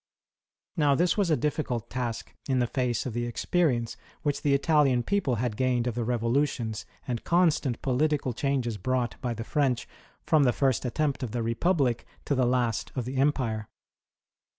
Now this was a difiicult task in the face of the experience which the Italian people had gained of the revolutions and constant political 62 WAR OF ANTICHRIST "WITH THE CHURCH. changes brought by the French from the first attempt of the Ee public to the last of tlie Empu^e.